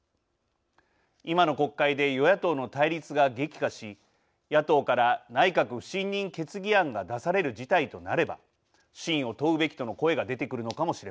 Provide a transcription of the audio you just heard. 今の国会で与野党の対立が激化し野党から内閣不信任決議案が出される事態となれば信を問うべきとの声が出てくるのかもしれません。